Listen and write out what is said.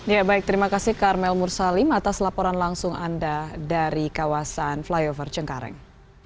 ya baik terima kasih karmel mursalim atas laporan langsung anda dari kawasan flyover cengkareng